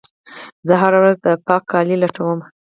زه هره ورځ د پاک کالي لټوم.